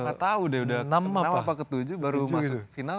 gak tau deh udah kemenang apa ke tujuh baru masuk final